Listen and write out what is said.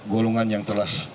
golongan yang telah